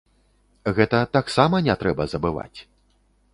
Гэта таксама не трэба забываць.